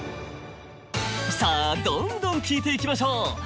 さあどんどん聞いていきましょう。